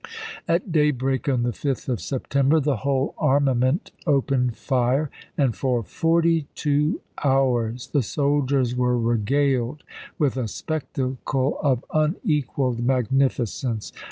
At daybreak on the 5th of Sep tember the whole armament opened fire, and for forty two hours the soldiers were regaled with a ibid., p. 70. spectacle of unequaled magnificence.